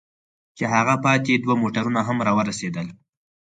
چې هغه پاتې دوه موټرونه هم را ورسېدل.